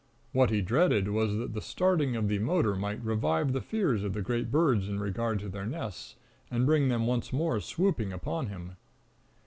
What he dreaded was that the starting of the motor might revive the fears of the great birds in regard to their nests, and bring them once more swooping upon him.